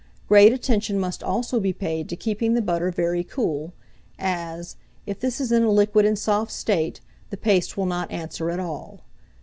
Great attention must also be paid to keeping the butter very cool, as, if this is in a liquid and soft state, the paste will not answer at all.